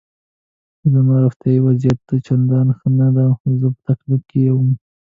زما روغتیایي وضعیت چندان ښه نه و، زه په تکلیف وم.